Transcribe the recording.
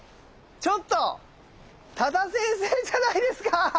ちょっと多田先生じゃないですか。